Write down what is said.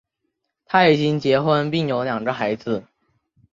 他已经结婚并有两个孩子。